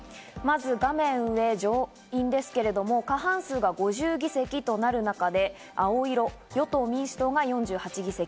まず画面上、上院ですけれども過半数が５０議席となる中で、青色の与党・民主党が４８議席。